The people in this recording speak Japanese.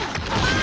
あ！